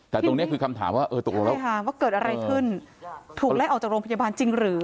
แต่ตรงนี้คือคำถามว่าเออตกลงแล้วว่าเกิดอะไรขึ้นถูกไล่ออกจากโรงพยาบาลจริงหรือ